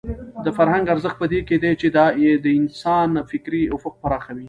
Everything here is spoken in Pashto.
د فرهنګ ارزښت په دې کې دی چې دا د انسان فکري افق پراخوي.